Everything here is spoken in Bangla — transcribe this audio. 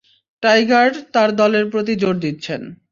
টাইগার তার দলের প্রতি জোর দিচ্ছেন।